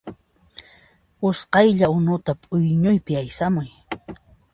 Usqhaylla unuta p'uñuypi aysamuy